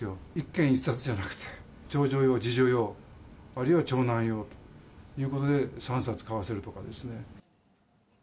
１軒１冊じゃなくて、長女用、次女用、あるいは長男用ということで、３冊買わせるとかですね。